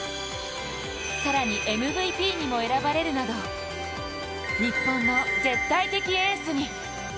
更に、ＭＶＰにも選ばれるなど日本の絶対的エースに。